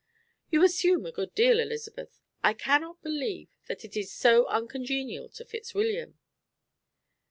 "You assume a good deal, Elizabeth. I cannot believe that it is so uncongenial to Fitzwilliam."